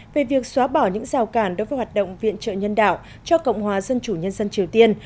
về việc xóa bỏ những rào cản đối với hoạt động viện trợ nhân đạo cho cộng hòa dân chủ nhân dân triều tiên